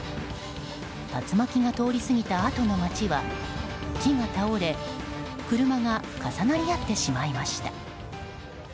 竜巻が通り過ぎたあとの街は木が倒れ車が重なり合ってしまいました。